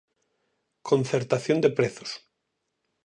Concertación de prezos.